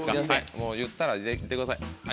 もう言ったら行ってください。